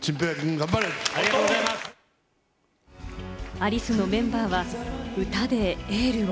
アリスのメンバーは歌でエールを。